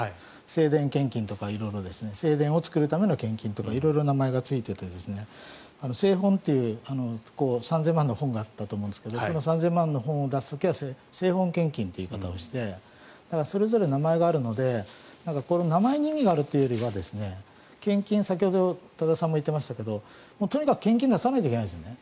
正殿献金とか正殿を作るための献金とか色々名前がついていて聖本という３０００万の本があったと思うんですけどその本を出す時は聖本献金という言い方をしてそれぞれ名前があるのでこれは名前に意味があるというよりは先ほど多田さんも言っていましたがとにかく献金を出さないといけないんですね。